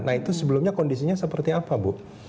nah itu sebelumnya kondisinya seperti apa bu